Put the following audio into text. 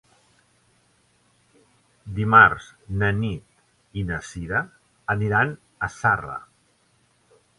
Dimarts na Nit i na Sira aniran a Zarra.